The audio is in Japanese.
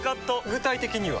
具体的には？